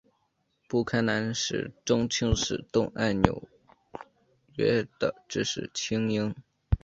布坎南始终轻视东岸纽约的知识菁英。